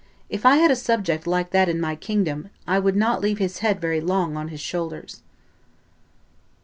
"If I had a subject like that in my kingdom, I would not leave his head very long on his shoulders."